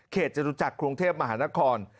เขตจรุจจักรคลุงเทพมหานคร